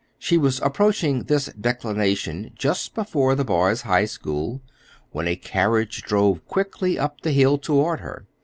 She was approaching this declension just before the Boys' High School when a carriage drove quickly up the hill toward her.